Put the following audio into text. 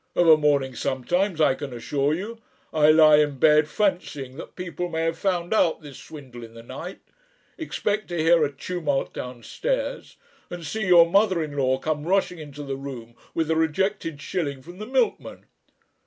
Of a morning sometimes, I can assure you, I lie in bed fancying that people may have found out this swindle in the night, expect to hear a tumult downstairs and see your mother in law come rushing into the room with a rejected shilling from the milkman.